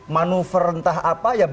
manuver entah apa